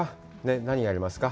何がありますか？